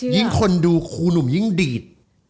คนดูครูหนุ่มยิ่งดีด